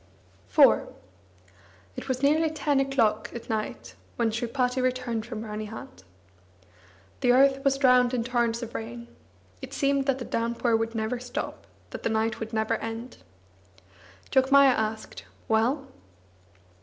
IV It was nearly ten o'clock at night when Sripati returned from Ranihat. The earth was drowned in torrents of rain. It seemed that the downpour would never stop, that the night would never end. Jogmaya asked: "Well?"